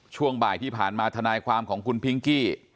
ช่วงบ่ายที่ผ่านมาทนายความของคุณพิงกี้